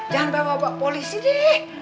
jangan bawa bawa polisi deh